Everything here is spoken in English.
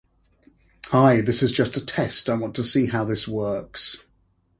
Hi this is just a test I want to see how this works.